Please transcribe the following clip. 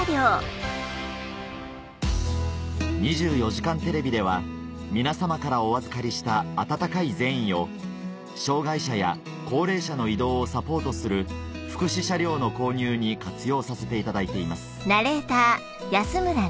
『２４時間テレビ』では皆様からお預かりした温かい善意を障がい者や高齢者の移動をサポートする福祉車両の購入に活用させていただいています